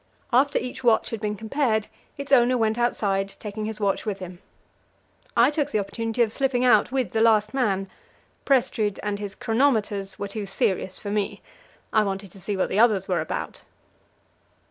After each watch had been compared, its owner went outside, taking his watch with him. I took the opportunity of slipping out with the last man Prestrud and his chronometers were too serious for me; I wanted to see what the others were about.